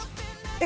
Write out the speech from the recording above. えっ